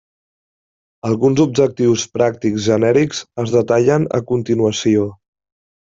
Alguns objectius pràctics genèrics es detallen a continuació.